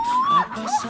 lu mau kemana sih